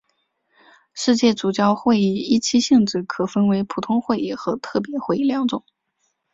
世界主教会议依其性质可分为普通会议和特别会议两种。